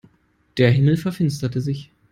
Der Himmel verfinsterte sich.